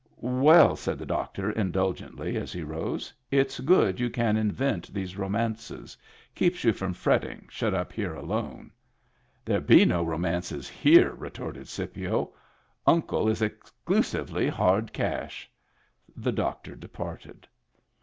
" Well," said the doctor indulgently, as he rose, " it's good you can invent these romances. Keeps you from fretting, shut up here alone." " There'd be no romances here," retorted Scipio. "Uncle is exclusively hard cash." The doctor departed.